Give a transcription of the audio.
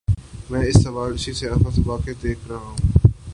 میں اس سوال کو اسی سیاق و سباق میں دیکھ رہا ہوں۔